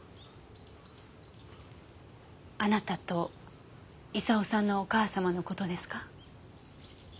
あなたと功さんのお母様の事ですか？